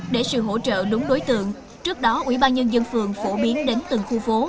để sự hỗ trợ đúng đối tượng trước đó ủy ban nhân dân phường phổ biến đến từng khu phố